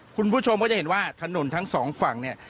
คุณผู้ชมก็จะเห็นว่าถนนทั้งสองฝั่งเนี่ย